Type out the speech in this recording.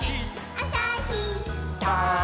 あさひっ！」